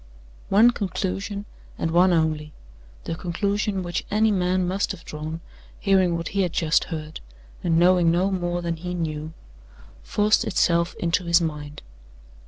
One conclusion, and one only the conclusion which any man must have drawn, hearing what he had just heard, and knowing no more than he knew forced itself into his mind.